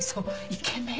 イケメン！